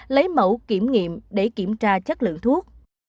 lấy mẫu kiểm nghiệm để kiểm tra chất lượng thuốc